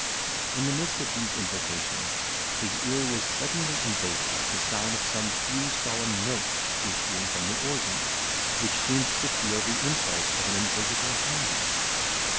In the midst of these invocations, his ear was suddenly invaded with the sound of some few solemn notes issuing from the organ, which seemed to feel the impulse of an invisible hand.